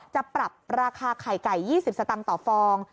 จะปรับราคาไข่ไก่๒๐สตางค์ต่อฟอง